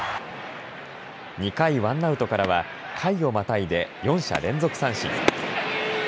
２回、ワンアウトからは回をまたいで４者連続三振。